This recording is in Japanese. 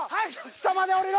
下まで降りろ。